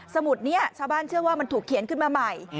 สมุดนี้ชาวบ้านเชื่อว่ามันถูกเขียนขึ้นมาใหม่